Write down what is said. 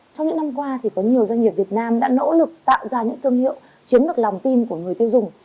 trong những năm qua thì có nhiều doanh nghiệp việt nam đã nỗ lực tạo ra những thương hiệu chiếm được lòng tin của người tiêu dùng